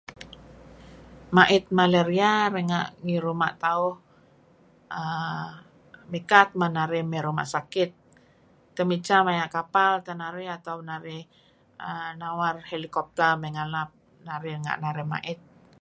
Ma'it malaria renga' ngi ruma' tauh err mikat men narih mey ruma' sakit. Temicha maya' kapal teh narih atau narih err nawar helicopter mey ngalap narih renga' narih ma'it.